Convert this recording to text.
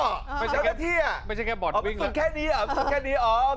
โอเคอย่างนั้นเบิ้ลเข้าใจ